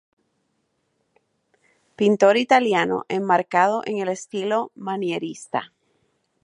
Pintor italiano, enmarcado en el estilo manierista.